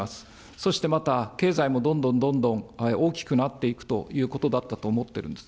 そしてまた経済もどんどんどんどん、大きくなっていくということだったと思ってるんです。